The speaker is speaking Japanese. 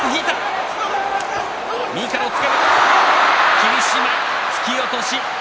霧島、突き落とし。